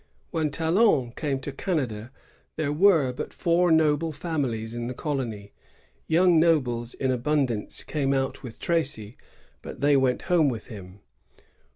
When Talon came to Canada, there were but four noble families in the colony.^ Young nobles in abundance came out with Tracy; but they went home with him.